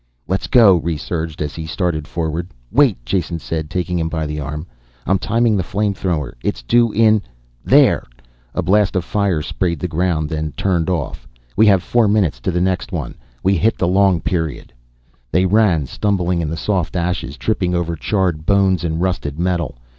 _" "Let's go," Rhes urged as he started forward. "Wait," Jason said, taking him by the arm. "I'm timing the flame thrower. It's due in ... there!" A blast of fire sprayed the ground, then turned off. "We have four minutes to the next one we hit the long period!" They ran, stumbling in the soft ashes, tripping over charred bones and rusted metal.